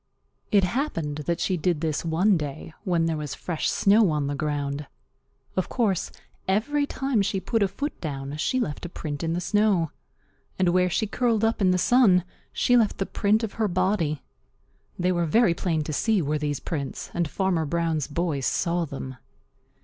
It happened that she did this one day when there was fresh snow on the ground. Of course, every time she put a foot down she left a print in the snow. And where she curled up in the sun she left the print of her body. They were very plain to see, were these prints, and Farmer Brown's boy saw them.